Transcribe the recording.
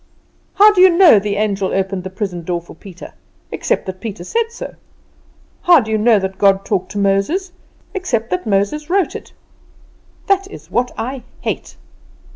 How do you know the angel opened the prison door for Peter, except that Peter said so? How do you know that God talked to Moses, except that Moses wrote it? That is what I hate!"